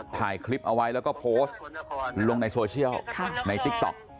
ถ่ายคลิปเอาไว้แล้วก็โพสต์ลงในโซเชียลในติ๊กต๊อก